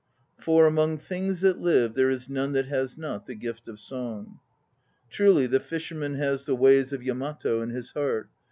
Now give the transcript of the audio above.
"For among things that live There is none that has not the gift of song." Truly the fisherman has the ways of Yamato in his heart.